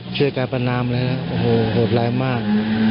ช่วยการประนามเลยฮะโอ้โหโหดร้ายมาก